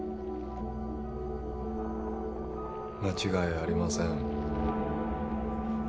間違いありません